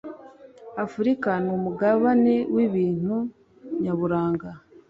afurika n'umugabane wibintu nyaburanga